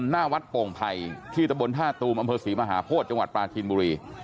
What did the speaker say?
หน้าวัดโป่งไผ่ที่ตะบนท่าตูมอำเภอศรีมหาโพธิจังหวัดปลาจีนบุรี